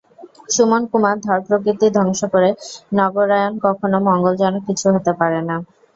সুমন কুমার ধরপ্রকৃতি ধ্বংস করে নগরায়ণ কখনো মঙ্গলজনক কিছু হতে পারে না।